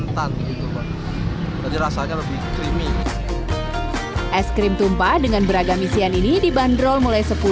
tapi rasanya lebih krimi es krim tumpah dengan beragam isian ini dibanderol mulai